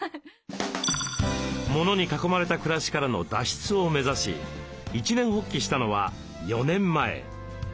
モノに囲まれた暮らしからの脱出を目指し一念発起したのは４年前。